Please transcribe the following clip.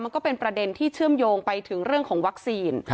ก็เป็นประเด็นที่เชื่อมโยงไปถึงเรื่องของวัคซีน